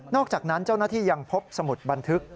อกจากนั้นเจ้าหน้าที่ยังพบสมุดบันทึก